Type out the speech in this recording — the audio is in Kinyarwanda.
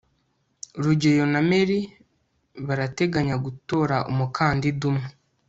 rugeyo na mary barateganya gutora umukandida umwe